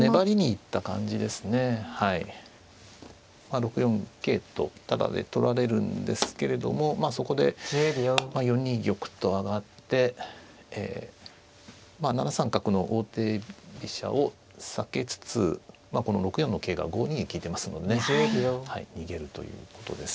６四桂とタダで取られるんですけれどもまあそこで４二玉と上がって７三角の王手飛車を避けつつこの６四の桂が５二に利いてますのでね逃げるということです。